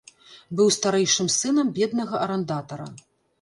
Быў старэйшым сынам беднага арандатара.